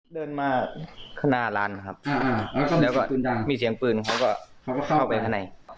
เดินมาขณะร้านครับแล้วก็มีเสียงปืนเขาก็เข้าไปข้างใน